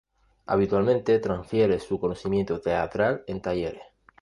Habitualmente transfiere su conocimiento teatral en "talleres".